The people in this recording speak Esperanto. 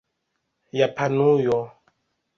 japanujo